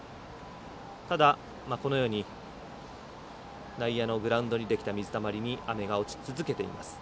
ただ、内野のグラウンドにできた水たまりに雨が落ち続けています。